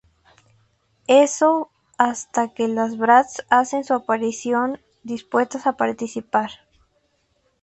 Eso hasta que las Bratz hacen su aparición, dispuestas a participar.